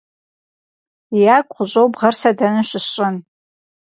- Ягу къыщӀобгъэр сэ дэнэ щысщӀэн?